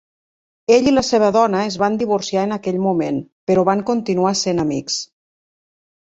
Ell i la seva dona es van divorciar en aquell moment, però van continuar sent amics.